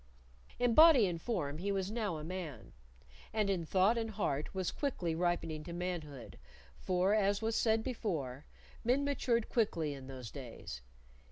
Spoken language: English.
In body and form he was now a man, and in thought and heart was quickly ripening to manhood, for, as was said before, men matured quickly in those days.